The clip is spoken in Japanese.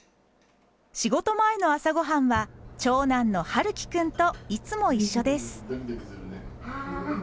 仕事前の朝ご飯は長男の悠生くんといつも一緒です。